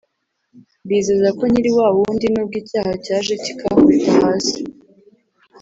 Mbizeza ko nkiri wa wundi n’ubwo icyaha cyaje kikankubita hasi